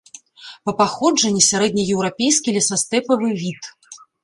Па паходжанні сярэднееўрапейскі лесастэпавы від.